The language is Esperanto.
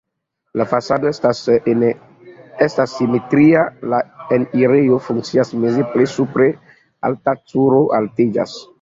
La fasado estas simetria, la enirejo funkcias meze, plej supre malalta turo altiĝas.